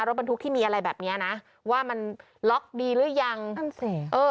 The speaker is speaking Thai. รถบรรทุกที่มีอะไรแบบเนี้ยนะว่ามันล็อกดีหรือยังนั่นสิเออ